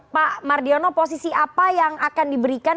pak mardiono posisi apa yang akan diberikan